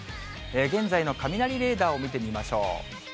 現在の雷レーダーを見てみましょう。